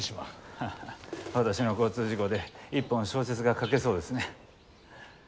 ハハ私の交通事故で一本小説が書けそうですね。